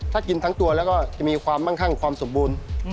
ถ้ากินทั้งตัวแล้วก็จะมีความมั่งคั่งความสมบูรณ์